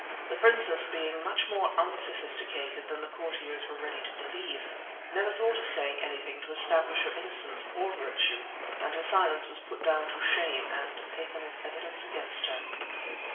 The princess being much more unsophisticated than the courtiers were ready to believe, never thought of saying anything to establish her innocence or virtue, and her silence was put down to shame and taken as evidence against her.